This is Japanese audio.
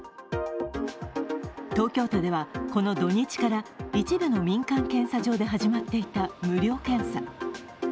東京都では、この土日から一部の民間検査所で始まっていた無料検査。